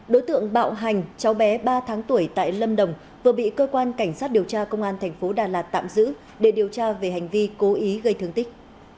đối tượng bạo hành cháu bé ba tháng tuổi tại lâm đồng vừa bị cơ quan cảnh sát điều tra công an thành phố đà lạt tạm giữ để điều tra về hành vi cố ý gây thương tích